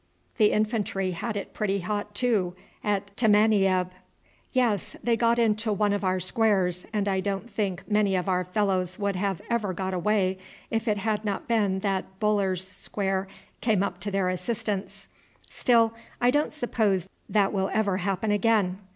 "The infantry had it pretty hot too at Tamanieb?" "Yes, they got into one of our squares, and I don't think many of our fellows would have ever got away if it had not been that Buller's square came up to their assistance. Still, I don't suppose that will ever happen again.